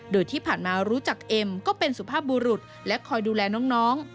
โดยที่ผ่านมารู้จักเอ็มก็เป็นสุภาพบุรุษและคอยดูแลน้อง